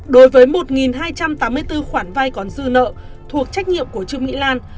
đối với một hai trăm tám mươi bốn khoản vay còn dư nợ thuộc trách nhiệm của trương mỹ lan